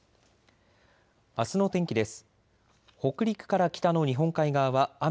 あすの天気です。